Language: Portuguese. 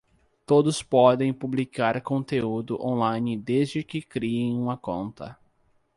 Todos podem publicar conteúdo on-line desde que criem uma conta